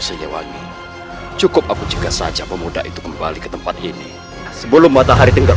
senyawangi cukup aku jika saja pemuda itu kembali ke tempat ini sebelum matahari tinggal